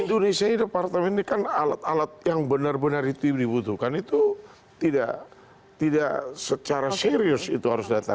indonesia ini departemen ini kan alat alat yang benar benar itu dibutuhkan itu tidak secara serius itu harus datang